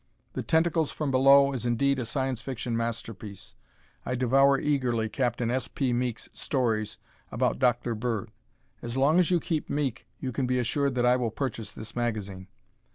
"The Tentacles from Below" is indeed a Science Fiction masterpiece. I devour eagerly Captain S. P. Meek's stories about Dr. Bird. As long as you keep Meek you can be assured that I will purchase this magazine.